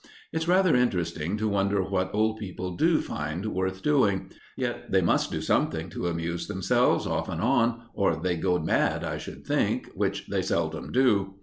It's rather interesting to wonder what old people do find worth doing; yet they must do something to amuse themselves, off and on, or they'd go mad, I should think, which they seldom do.